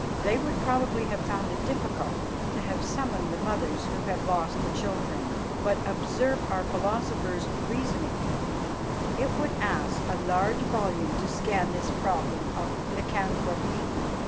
They would probably have found it difficult to have summoned the mothers who had lost the children. But observe our philosopher's reasoning: "It would aske a large volume to scan this problem of lycanthropy."